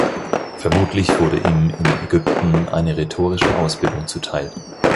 Vermutlich wurde ihm in Ägypten eine rhetorische Ausbildung zuteil.